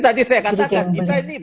tadi saya katakan kita ini